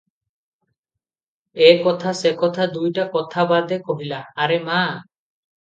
ଏ କଥା, ସେ କଥା, ଦୁଇଟା କଥା ବାଦେ କହିଲା, "ଆରେ ମା!